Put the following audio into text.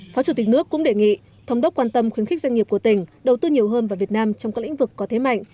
phó chủ tịch nước cũng đề nghị thống đốc quan tâm khuyến khích doanh nghiệp của tỉnh đầu tư nhiều hơn vào việt nam trong các lĩnh vực có thế mạnh